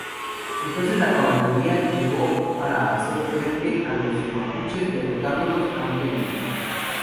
Entonces, la caballería llegó para hacer frente a los mapuches, derrotándolos ampliamente.